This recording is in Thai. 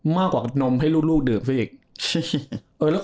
มากกว่านมให้ลูกดื่มซะอีก